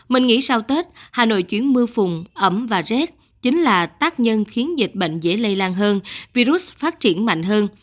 mình nghĩ sau tết hà nội chuyển mưa phùng ẩm và rét chính là tác nhân khiến dịch bệnh dễ lây lan hơn virus phát triển mạnh hơn